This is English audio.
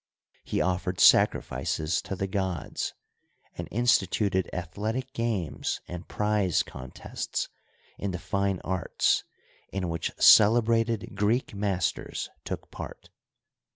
He offered sacrifices to the gods, and instituted athletic games and prize contests in the fine arts in which celebrated Greek masters took part.